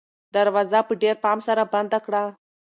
دروازه په ډېر پام سره بنده کړه.